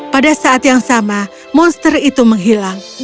pada saat yang sama monster itu menghilang